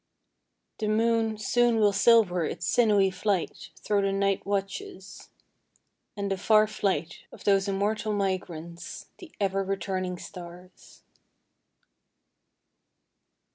The moon soon will silver its sinewy flight Thro the night watches, And the far flight Of those immortal migrants, The ever returning stars.